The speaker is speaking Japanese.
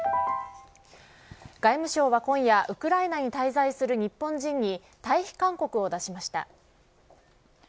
外務省は今夜ウクライナに滞在する日本人に退避勧告を出しました。